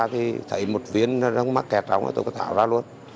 thì thấy một viên răng mắc kẹt trong tôi có thảo ra luôn